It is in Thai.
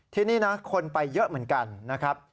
ที่นี่นะคนไปเยอะเหมือนกันนะครับ